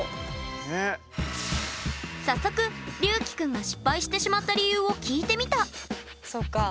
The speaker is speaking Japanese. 早速りゅうきくんが失敗してしまった理由を聞いてみた！